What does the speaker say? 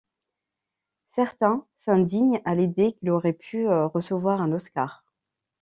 Certains s'indignent à l'idée qu'il aurait pu recevoir un Oscar.